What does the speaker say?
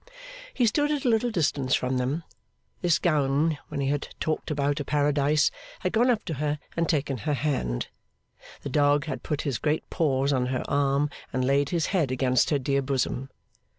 He stood at a little distance from them. This Gowan when he had talked about a Paradise, had gone up to her and taken her hand. The dog had put his great paws on her arm and laid his head against her dear bosom.